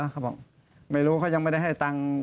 เขาบอกไม่รู้เขายังไม่ได้ให้ตังค์